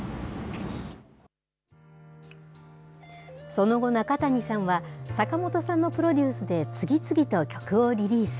その後、中谷さんは坂本さんのプロデュースで次々と曲をリリース。